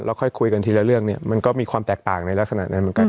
ค่อยคุยกันทีละเรื่องเนี่ยมันก็มีความแตกต่างในลักษณะนั้นเหมือนกัน